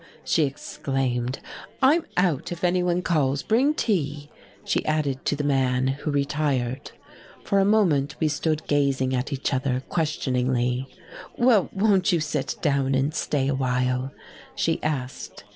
she exclaimed. "I'm out if anyone calls. Bring tea," she added to the man, who retired. For a moment we stood gazing at each other, questioningly. "Well, won't you sit down and stay awhile?" she asked.